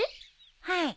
はい。